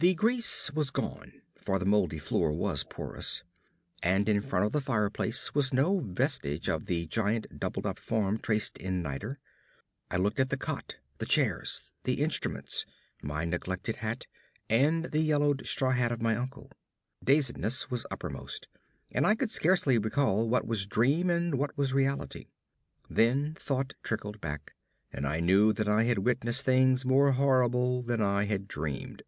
The grease was gone, for the moldy floor was porous. And in front of the fireplace was no vestige of the giant doubled up form traced in niter. I looked at the cot, the chairs, the instruments, my neglected hat, and the yellowed straw hat of my uncle. Dazedness was uppermost, and I could scarcely recall what was dream and what was reality. Then thought trickled back, and I knew that I had witnessed things more horrible than I had dreamed.